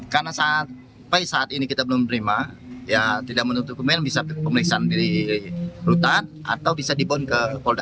karena sampai saat ini kita belum menerima ya tidak menutup dokumen bisa pemeriksaan di rutan atau bisa dibon ke polda